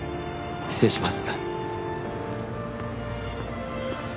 失礼します。